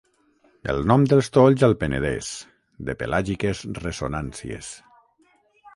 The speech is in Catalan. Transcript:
El nom dels tolls al Penedès, de pelàgiques ressonàncies.